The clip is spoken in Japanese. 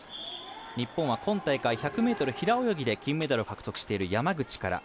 日本は今大会１００ｍ平泳ぎで金メダルを獲得している山口から。